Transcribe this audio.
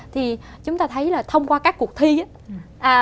thì chúng ta thấy là thông qua các cuộc thi ấy